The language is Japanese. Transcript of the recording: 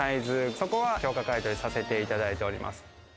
そこは強化買取させていただいております。